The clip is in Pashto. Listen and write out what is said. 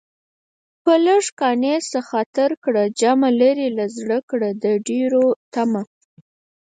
په لږ قانع شه خاطر کړه جمع لرې له زړه کړه د ډېرو طمع